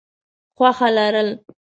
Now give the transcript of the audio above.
خوښه لرل: